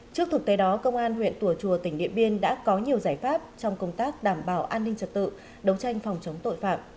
trước thực tế đó công an huyện tùa chùa tỉnh điện biên đã có nhiều giải pháp trong công tác đảm bảo an ninh trật tự đấu tranh phòng chống tội phạm